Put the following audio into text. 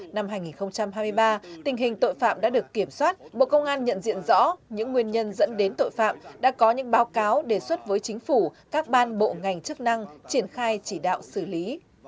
năm hai nghìn hai mươi ba tình hình tội phạm đã được kiểm soát bộ công an nhận diện rõ những nguyên nhân dẫn đến tội phạm đã có những báo cáo đề xuất với chính phủ các ban bộ ngành chức năng triển khai chỉ đạo xử lý